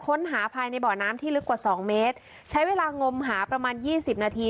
ค้นหาภายในบ่อน้ำที่ลึกกว่าสองเมตรใช้เวลางมหาประมาณยี่สิบนาที